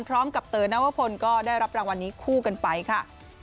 พร้อมกับเตอร์นัวพลก็ได้รับรางวัลนี้คู่กันไปค่ะ